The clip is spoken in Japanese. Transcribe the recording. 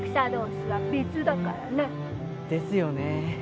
ですよね。